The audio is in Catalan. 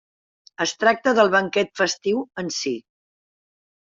Es tracte del banquet festiu en si.